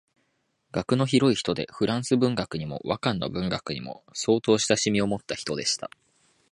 学の広い人で仏文学にも和漢の文学にも相当親しみをもった人でした